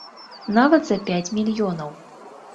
Нават за пяць мільёнаў.